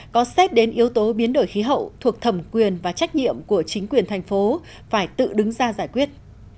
có xét đến yếu tố biến đổi khí hậu thuộc thẩm quyền và trách nhiệm của chính quyền thành phố phải tự đứng ra giải quyết